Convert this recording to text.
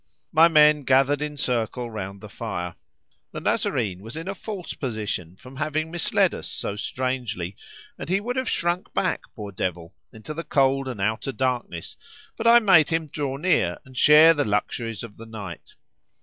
My men gathered in circle round the fire. The Nazarene was in a false position from having misled us so strangely, and he would have shrunk back, poor devil, into the cold and outer darkness, but I made him draw near and share the luxuries of the night.